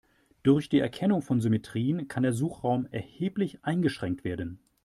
Durch die Erkennung von Symmetrien kann der Suchraum erheblich eingeschränkt werden.